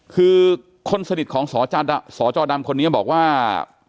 คือคนสนิทของสจดำคนนี้บอกว่า